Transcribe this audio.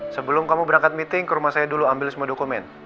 sebelum kamu berangkat meeting ke rumah saya dulu ambil semua dokumen